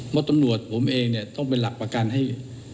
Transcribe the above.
เพราะตำรวจผมเองเนี่ยต้องเป็นหลักประกันให้